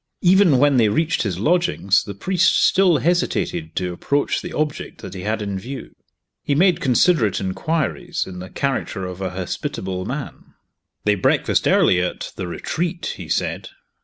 Even when they reached his lodgings, the priest still hesitated to approach the object that he had in view. He made considerate inquiries, in the character of a hospitable man. "They breakfast early at The Retreat," he said.